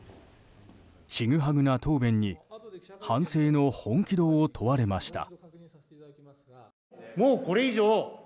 ちぐはぐな答弁に反省の本気度を問われました。